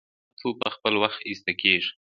د کثافاتو په خپل وخت ایستل کیږي؟